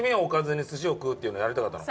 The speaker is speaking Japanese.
っていうのやりたかったの。